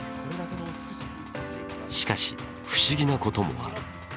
しかし、不思議なこともある。